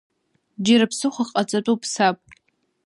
Џьара ԥсыхәак ҟаҵатәуп, саб…